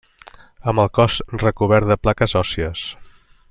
Amb el cos recobert de plaques òssies.